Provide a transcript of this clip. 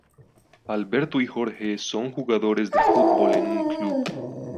Alberto y Jorge son jugadores de fútbol en un club.